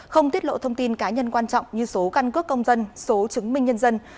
không tiết lộ thông tin cá nhân quan trọng như số căn cước công dân số chứng minh nhân dân